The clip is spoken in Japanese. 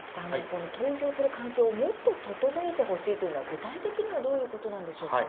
この投票する環境をもっと整えてほしいというのは具体的にはどういうことなんでしょうか。